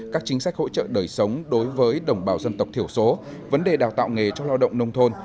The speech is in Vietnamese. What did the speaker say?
các chính sách hỗ trợ đời sống đối với đồng bào dân tộc thiểu số vấn đề đào tạo nghề cho lao động nông thôn